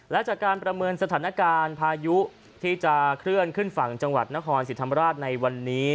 และจากการประเมินสถานการณ์พายุที่จะเคลื่อนขึ้นฝั่งจังหวัดนครสิทธิ์ธรรมราชในวันนี้